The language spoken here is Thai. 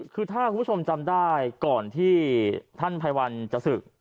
คือถ้าคุณผู้ชมจำได้ก่อนที่ท่านภัยวัลจะศึก